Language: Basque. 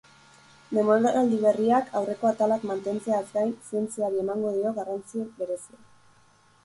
Denboraldi berriak, aurreko atalak mantentzeaz gain, zientziari emango dio garrantzia berezia.